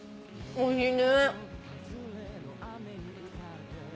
おいしい。